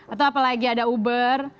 atau apalagi ada uber